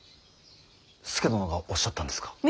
佐殿がおっしゃったんですか。